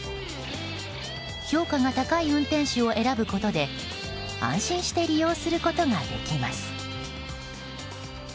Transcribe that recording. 評価が高い運転手を選ぶことで安心して利用することができます。